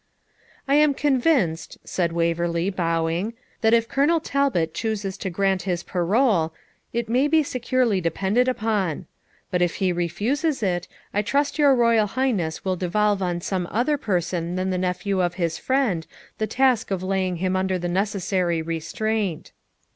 'I am convinced,' said Waverley, bowing, 'that if Colonel Talbot chooses to grant his parole, it may be securely depended upon; but if he refuses it, I trust your Royal Highness will devolve on some other person than the nephew of his friend the task of laying him under the necessary restraint.'